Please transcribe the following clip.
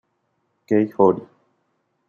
Kei Horie